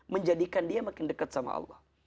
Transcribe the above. menjadikan dia makin dekat sama allah